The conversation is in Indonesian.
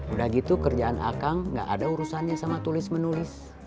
udah gitu kerjaan akang gak ada urusannya sama tulis menulis